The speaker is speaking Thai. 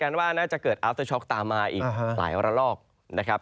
น่าจะเกิดอาฟเตอร์ช็อกตามมาอีกหลายวันละรอบ